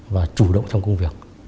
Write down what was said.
và chủ động trong công việc